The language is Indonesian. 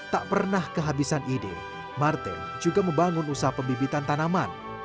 tak pernah kehabisan ide martin juga membangun usaha pembibitan tanaman